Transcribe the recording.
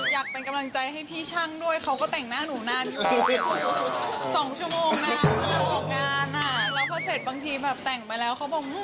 อยากเป็นกำลังใจให้พี่ช่างด้วยเขาก็แต่งหน้าหนูนานอยู่